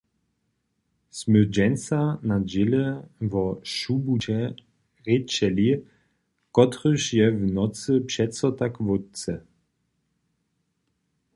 Smy dźensa na dźěle wo šubuće rěčeli, kotryž je w nocy přeco tak wótře.